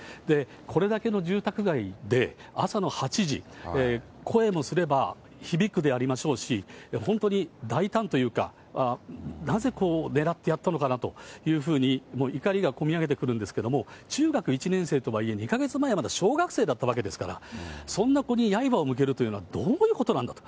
これだけの住宅街で、朝の８時、声もすれば、響くでありましょうし、本当に大胆というか、なぜ狙ってやったのかなというふうに、怒りがこみ上げてくるんですけれども、中学１年生とはいえ、２か月前はまだ小学生だったわけですから、そんな子に刃を向けるというのは、どういうことなんだと。